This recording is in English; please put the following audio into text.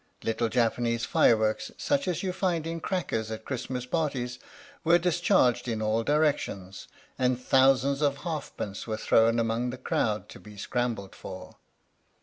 Little Japanese fireworks, such as you find in crackers at Christmas parties, were discharged in all directions, and thousands of halfpence were thrown among the crowd to be scrambled for.